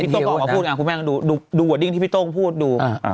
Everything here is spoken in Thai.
พี่โต้งก็ออกมาพูดอ่ะคุณแม่งดูดูดิ้งที่พี่โต้งพูดดูอ่า